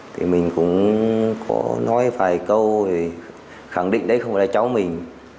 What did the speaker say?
thì mình cũng có nói vài câu khẳng định đấy không phải là cháu mình